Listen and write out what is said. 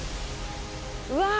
うわ。